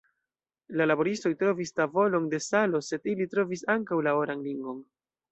La laboristoj trovis tavolon de salo, sed ili trovis ankaŭ la oran ringon.